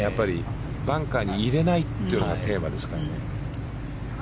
バンカーに入れないというのがテーマですから。